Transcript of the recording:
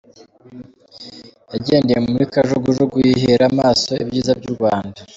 Yagendeye muri kajugujugu yihera amaso ibyiza by'u Rwanda.